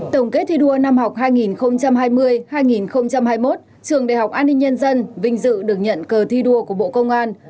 tổng kết thi đua năm học hai nghìn hai mươi hai nghìn hai mươi một trường đại học an ninh nhân dân vinh dự được nhận cờ thi đua của bộ công an